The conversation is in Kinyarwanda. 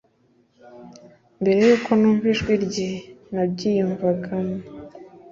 mbere yuko numva ijwi rye nabyiyimvagamo